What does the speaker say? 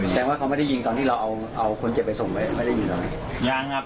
แสดงว่าเขาไม่ได้ยิงตอนที่เราเอาเอาคนเจ็บไปส่งไว้ไม่ได้ยิงตอนนั้นยังครับ